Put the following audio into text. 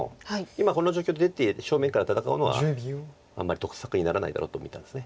今この状況で出て正面から戦うのはあんまり得策にならないだろうと見たんです。